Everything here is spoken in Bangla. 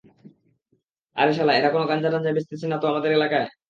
আরে শালা, এরা কোনো গাঞ্জা টাঞ্জা বেচতেছে না তো আমাদের এলাকায়?